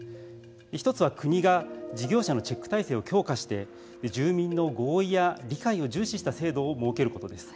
１つは国が事業者のチェック体制を強化して住民の合意や理解を重視した制度を設けることです。